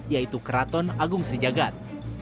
yaitu keraton agung sejagat